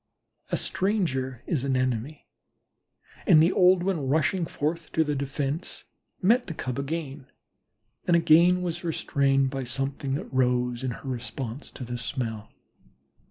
A stranger is an enemy, and the old one rushing forth to the defense, met the Cub again, and again was restrained by something that rose in her responsive to the smell.